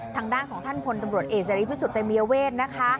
ทางด้านของท่านพลตำรวจเอกเสรีพิสุทธิเตมียเวทนะคะ